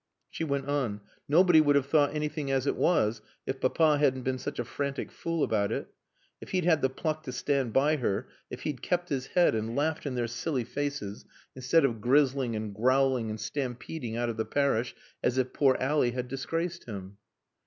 She went on. "Nobody would have thought anything as it was, if Papa hadn't been such a frantic fool about it. It he'd had the pluck to stand by her, if he'd kept his head and laughed in their silly faces, instead of grizzling and growling and stampeding out of the parish as if poor Ally had disgraced him."